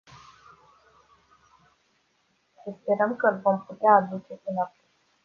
Să sperăm că îl vom putea aduce înapoi.